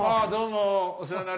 お世話になります。